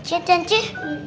cik dan cik